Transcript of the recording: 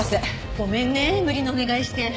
ごめんね無理なお願いして。